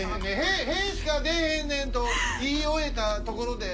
屁ぇしか出ぇへんねんと言い終えたところで。